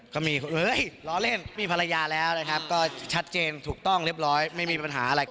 ก็มีล้อเล่นมีภรรยาแล้วนะครับก็ชัดเจนถูกต้องเรียบร้อยไม่มีปัญหาอะไร